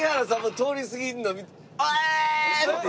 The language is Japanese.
通り過ぎるの見て「えーっ！」って。